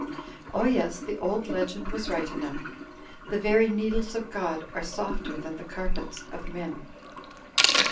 Oh, yes, the old legend was right enough. The very needles of God are softer than the carpets of men."